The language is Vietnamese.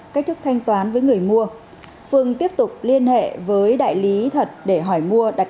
cách thức thanh toán với người mua phương tiếp tục liên hệ với đại lý thật để hỏi mua đặt